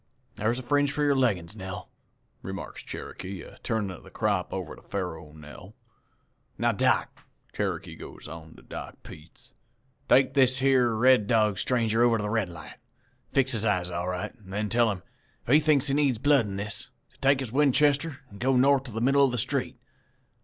"'Thar's a fringe for your leggin's, Nell,' remarks Cherokee, a turnin' of the crop over to Faro Nell. 'Now, Doc,' Cherokee goes on to Doc Peets, 'take this yere Red Dog stranger over to the Red Light, fix his eyes all right, an' then tell him, if he thinks he needs blood in this, to take his Winchester an' go north in the middle of the street.